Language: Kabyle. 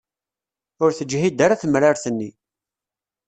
Ur teǧhid ara temrart-nni.